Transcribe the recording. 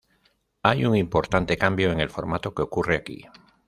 Hay un importante cambio en el formato que ocurre aquí.